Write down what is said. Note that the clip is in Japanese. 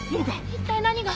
一体何が？